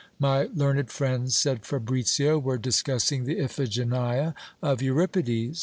My learned friends, said Fabricio, were discussing the " Iphigenia" of Euripides.